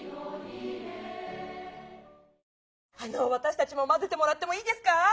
わたしたちもまぜてもらってもいいですか？